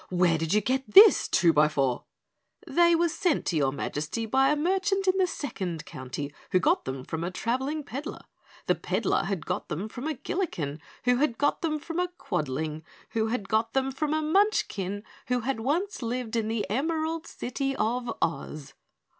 "Where did you get this, Twobyfour?" "They were sent to your Majesty by a merchant in the Second County, who got them from a traveling peddler. The peddler had got them from a Gilliken, who had got them from a Quadling, who had got them from a Munchkin, who had once lived in the Emerald City of Oz."